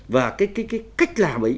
và cái cách làm ấy